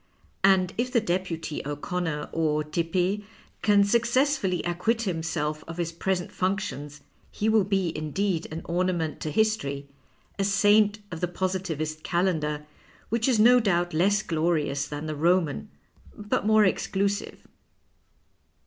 And if the deputy O'Connor, or Tepe, can successfully acquit himself of his present functions he will be indeed an ornament to history, a saint of the Positivist Calendar, which is no doubt less glorious than the Roman, but more exclusive."